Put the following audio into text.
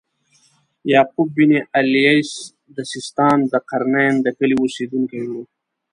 یعقوب بن اللیث د سیستان د قرنین د کلي اوسیدونکی و.